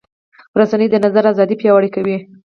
رسنۍ د نظر ازادي پیاوړې کوي.